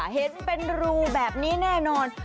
เห็นเป็นรูแบบนี้แน่นอน